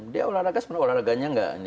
dia olahraga sebenarnya olahraganya nggak